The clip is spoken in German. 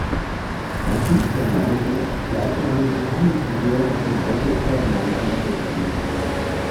Sein Künstlername geht auf die gleichnamige Comicfigur aus dem Hause Paramount Pictures zurück.